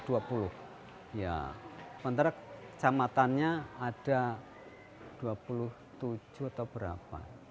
ya sementara kecamatannya ada dua puluh tujuh atau berapa